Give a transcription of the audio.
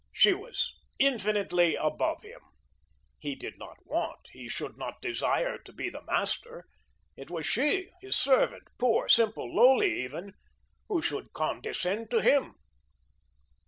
She was infinitely above him. He did not want he should not desire to be the master. It was she, his servant, poor, simple, lowly even, who should condescend to him.